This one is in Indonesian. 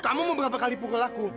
kamu mau berapa kali pukul aku